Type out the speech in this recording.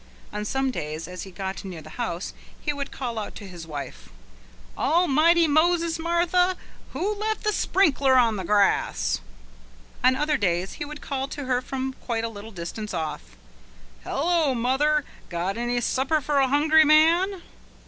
On some days as he got near the house he would call out to his wife: "Almighty Moses, Martha! who left the sprinkler on the grass?" On other days he would call to her from quite a little distance off: "Hullo, mother! Got any supper for a hungry man?"